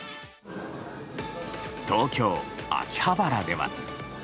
東京・秋葉原では。